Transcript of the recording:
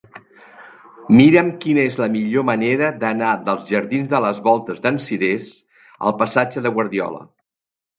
Mira'm quina és la millor manera d'anar dels jardins de les Voltes d'en Cirés al passatge de Guardiola.